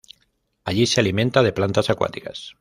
Allí se alimenta de plantas acuáticas.